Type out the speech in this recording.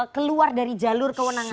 keluar dari jalur kewenangannya